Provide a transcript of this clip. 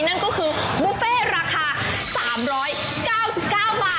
นั่นก็คือบุฟเฟ่ราคา๓๙๙บาท